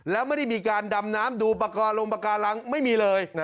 แล้วไม่ได้มีการดำน้ำดูปากกาลงปากการังไม่มีเลย